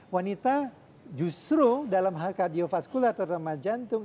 wanita justru dalam hal kardiofaskular terutama jantung